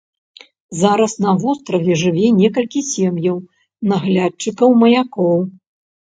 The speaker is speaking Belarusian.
Зараз на востраве жыве некалькі сем'яў наглядчыкаў маякоў.